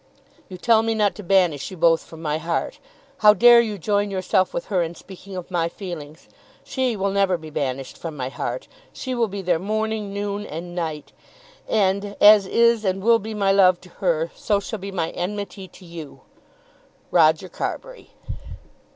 You tell me not to banish you both from my heart. How dare you join yourself with her in speaking of my feelings! She will never be banished from my heart. She will be there morning, noon, and night, and as is and will be my love to her, so shall be my enmity to you. ROGER CARBURY.